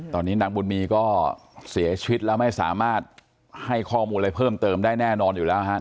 ตอนนี้นางบุญมีก็เสียชีวิตแล้วไม่สามารถให้ข้อมูลอะไรเพิ่มเติมได้แน่นอนอยู่แล้วฮะ